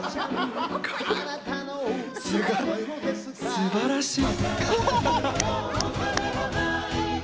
すばらしい。